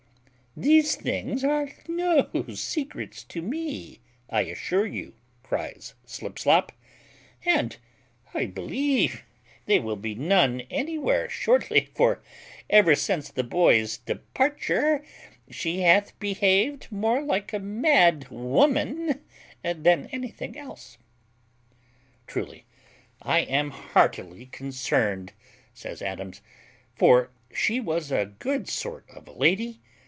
"These things are no secrets to me, I assure you," cries Slipslop, "and I believe they will be none anywhere shortly; for ever since the boy's departure, she hath behaved more like a mad woman than anything else." "Truly, I am heartily concerned," says Adams, "for she was a good sort of a lady.